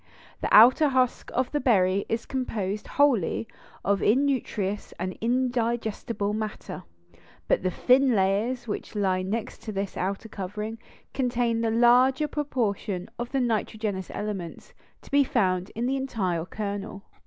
The outer husk of the berry is composed wholly of innutritious and indigestible matter, but the thin layers which lie next this outer covering contain the larger proportion of the nitrogenous elements to be found in the entire kernel.